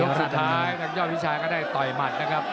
สุดท้ายทางยอดวิชาก็ได้ต่อยหมัดนะครับ